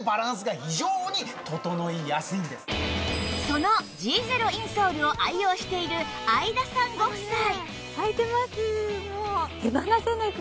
その Ｇ ゼロインソールを愛用している会田さんご夫妻